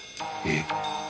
えっ！？